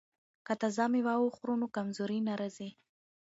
که تازه میوه وخورو نو کمزوري نه راځي.